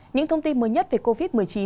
những thông tin mới nhất về covid một mươi chín